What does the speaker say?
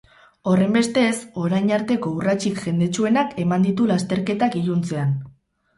Horrenbestez, orain arteko urratsik jendetsuenak eman ditu lasterketak iluntzean.